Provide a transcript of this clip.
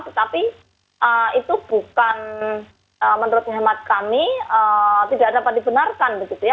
tetapi itu bukan menurut hemat kami tidak dapat dibenarkan begitu ya